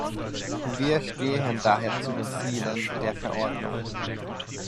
Wir stehen daher zu den Zielen der Verordnung.